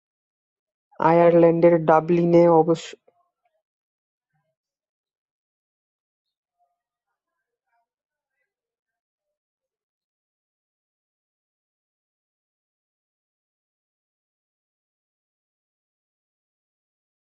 আয়ারল্যান্ডের ডাবলিনে সংস্থার সদর দফতর অবস্থিত।